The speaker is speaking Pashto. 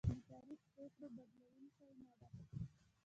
د تاریخ پرېکړه بدلېدونکې نه ده.